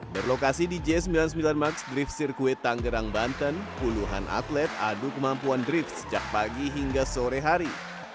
berlokasi di j sembilan puluh sembilan max drift circuit tanggerang banten puluhan atlet adu kemampuan drift sejak pagi hingga sore hari